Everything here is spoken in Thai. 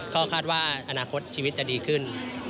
ก็คาดว่าอนาคตชีวิตจะดีขึ้น